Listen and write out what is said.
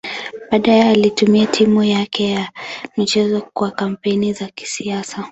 Baadaye alitumia timu yake ya michezo kwa kampeni za kisiasa.